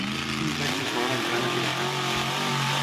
Quin raig de sol va entrar en aquella casa